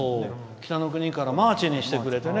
「北の国から」をマーチにしてくれてね。